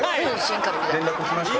連絡きました？